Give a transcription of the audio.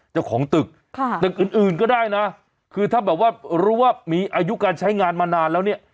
เจ้าของตึกตึกอื่นก็ได้นะคือถ้าแบบว่ารู้ว่ามีอายุการใช้งานมานานแล้วเนี่ย